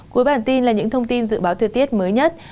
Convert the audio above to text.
cuối bản tin là những thông tin dự báo thời tiết mới nhất